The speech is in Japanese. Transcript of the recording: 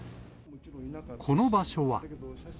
この場所は。